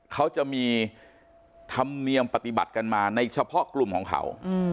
เขาจะมีธรรมเนียมปฏิบัติกันมาในเฉพาะกลุ่มของเขา